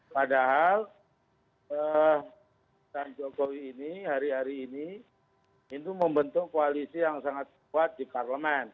padahal tanjo jokowi hari ini membentuk koalisi yang sangat kuat di parlemen